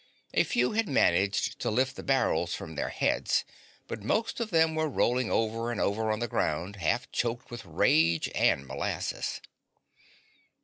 A few had managed to lift the barrels from their heads, but most of them were rolling over and over on the ground, half choked with rage and molasses.